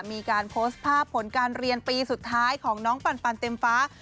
มีการโพสต์ภาพผลการเรียนปีสุดท้ายของน้องปันเต็มฟ้า